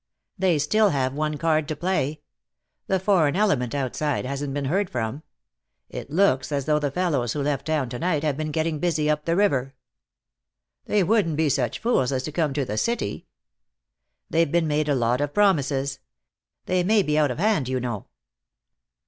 "They still have one card to play. The foreign element outside hasn't been heard from. It looks as though the fellows who left town to night have been getting busy up the river." "They wouldn't be such fools as to come to the city." "They've been made a lot of promises. They may be out of hand, you know."